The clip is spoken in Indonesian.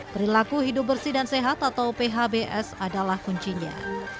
perilaku hidup bersih dan sehat atau phbs adalah kuncinya